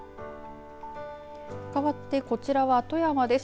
かわって、こちらは富山です。